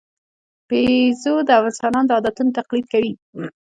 بیزو د انسانانو د عادتونو تقلید کوي.